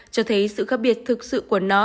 cho thấy sự khác biệt thực sự của nó